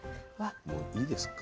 もういいですか。